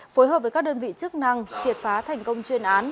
phối hợp với các đơn vị chức năng triệt phá thành công chuyên án